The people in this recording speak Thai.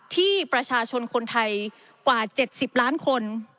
ที่ประชาชนคนไทยกว่า๗๐ล้านคน